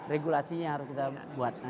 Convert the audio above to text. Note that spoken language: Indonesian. regulasinya harus kita buat